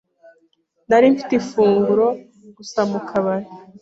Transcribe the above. Nari mfite ifunguro gusa mu kabari.